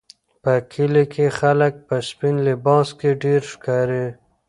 په کلي کې خلک په سپین لباس کې ډېر ښکاري.